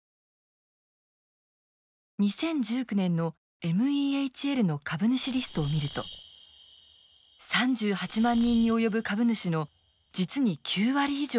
２０１９年のＭＥＨＬの株主リストを見ると３８万人に及ぶ株主の実に９割以上が軍人や退役軍人でした。